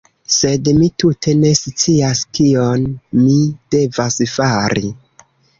Sed mi tute ne scias kion mi devas fari